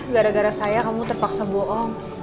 gara gara saya kamu terpaksa bohong